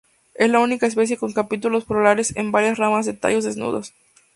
Es la única especie con capítulos florales en varias ramas de tallos desnudos.